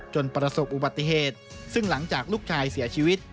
ประสบอุบัติเหตุซึ่งหลังจากลูกชายเสียชีวิต